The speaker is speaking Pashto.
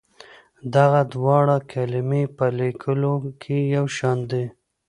دغه دواړه کلمې په لیکلو کې یو شان دي.